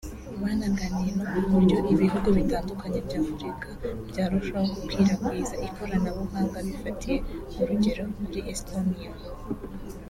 banaganiye no ku buryo ibihugu bitandukanye bya Afurika byarushaho gukwirakwiza ikoranabuhanga bifatiye urugero kuri Estonia